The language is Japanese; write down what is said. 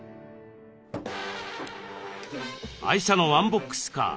愛車のワンボックスカー